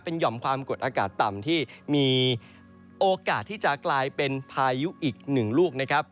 หย่อมความกดอากาศต่ำที่มีโอกาสที่จะกลายเป็นพายุอีกหนึ่งลูกนะครับ